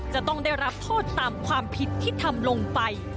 จะต้องได้รับโทษตามความผิดที่ทำลงไป